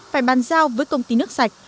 phải bàn giao với công ty nước sạch